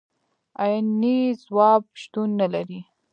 عيني ځواب شتون نه لري.